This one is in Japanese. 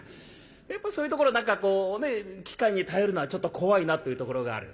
やっぱそういうところ何かこうね機械に頼るのはちょっと怖いなというところがある。